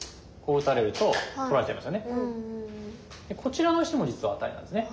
こちらの石も実はアタリなんですね。